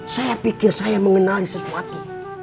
saya pikir saya mengenali sesuatu